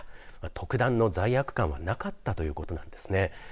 特段の罪悪感はなかったということなんですね。